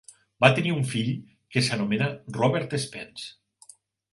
Va tenir un fill, que s'anomena Robert Spence.